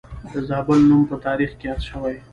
د زابل نوم په تاریخ کې یاد شوی